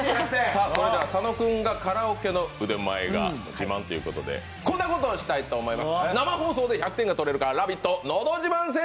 佐野君がカラオケの腕前が自慢ということでこんなことをしたいと思います。